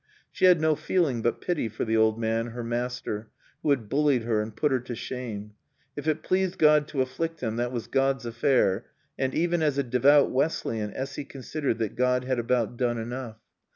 She had no feeling but pity for the old man, her master, who had bullied her and put her to shame. If it pleased God to afflict him that was God's affair, and, even as a devout Wesleyan, Essy considered that God had about done enough.